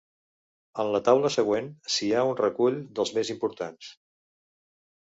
En la taula següent s'hi ha un recull dels més importants.